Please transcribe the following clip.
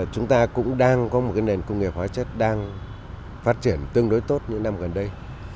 chúng ta cũng đang có một nền công nghiệp hóa chất đang phát triển tương đối tốt những năm gần đây